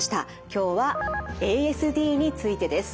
今日はＡＳＤについてです。